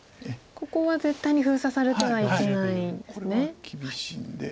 ここは絶対に封鎖されてはいけないんですね。これは厳しいんで。